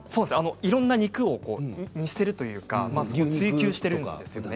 いろんな肉に似せるというか追求しているんですよね。